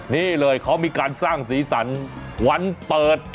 นี่เลยเขามีการสร้างสีสันวันเปิด